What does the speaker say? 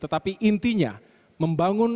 tetapi intinya membangun